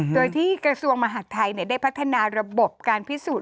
โดยที่กระทรวงมหาดไทยได้พัฒนาระบบการพิสูจน